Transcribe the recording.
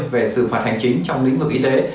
về xử phạt hành chính trong lĩnh vực y tế